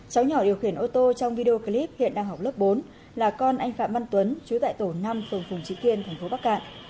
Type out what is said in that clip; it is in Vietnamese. cháu nhỏ điều khiển ô tô trong video clip hiện đang học lớp bốn là con anh phạm văn tuấn chú tại tổ năm phường phùng trí kiên thành phố bắc cạn